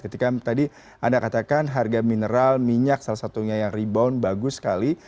ketika tadi anda katakan harga mineral minyak salah satunya yang rebound bagus sekali